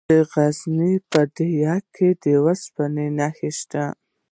د غزني په ده یک کې د اوسپنې نښې شته.